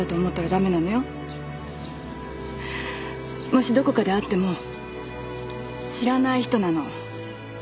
もしどこかで会っても知らない人なの。